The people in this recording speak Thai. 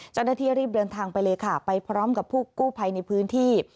เจ้าหน้าที่รีบเดินทางไปเลยค่ะไปพร้อมกับผู้กู้ภัยในพื้นที่